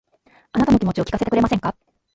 あなたの気持ちを聞かせてくれませんか